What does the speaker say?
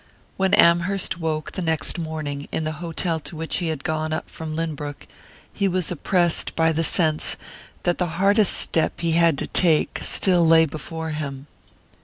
XXII WHEN Amherst woke, the next morning, in the hotel to which he had gone up from Lynbrook, he was oppressed by the sense that the hardest step he had to take still lay before him.